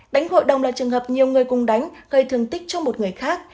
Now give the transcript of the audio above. đánh hội đồng là trường hợp nhiều người cùng đánh gây thương tích cho một người khác